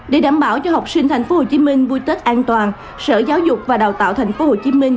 để đảm bảo cho học sinh tp hcm vui tết an toàn sở giáo dục và đào tạo tp hcm